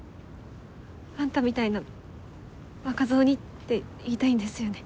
あんたみたいな若造にって言いたいんですよね。